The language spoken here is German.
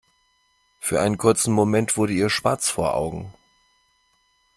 Für einen kurzen Moment wurde ihr schwarz vor Augen.